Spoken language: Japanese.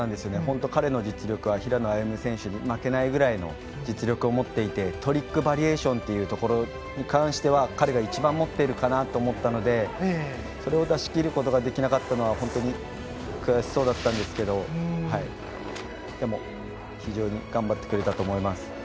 彼の実力は平野歩夢選手に負けないぐらいの実力を持っていてトリックバリエーションに関しては彼が一番持っているかなと思ったのでそれを出し切ることができなかったのは本当に悔しそうだったんですがでも、非常に頑張ってくれたと思います。